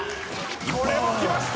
これもきました！